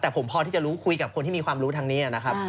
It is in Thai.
แต่ผมพอที่จะรู้คุยกับคนที่มีความรู้ทางนี้นะครับ